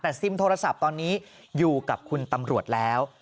แต่ซิมโทรศัพท์ตอนนี้อยู่กับคุณตำรวจแล้ว